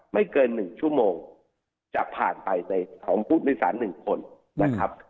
ไม่เกิน๑ชั่วโมงจะผ่านไปในของผู้โดยสาร๑คนนะครับ